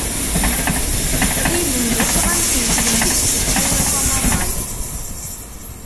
Ɣillen d asɣan n tneslemt i yesselḥawen akk amaḍal.